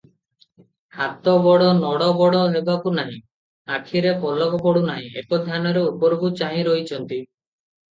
ହାତ ଗୋଡ଼ ନଡ଼ ବଡ଼ ହେବାକୁ ନାହିଁ, ଆଖିରେ ପଲକ ପଡୁ ନାହିଁ, ଏକଧ୍ୟାନରେ ଉପରକୁ ଚାହିଁରହିଛନ୍ତି ।